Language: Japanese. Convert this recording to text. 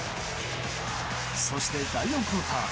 そして第４クオーター。